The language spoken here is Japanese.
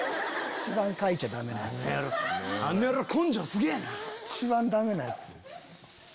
一番ダメなやつ。